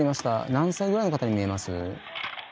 何歳ぐらいの方に見えます？